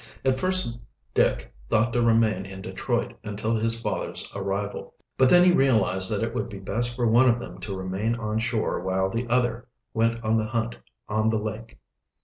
At first Dick thought to remain in Detroit until his father's arrival, but then he realized that it would be best for one of them to remain on shore while the other went on the hunt on the lake.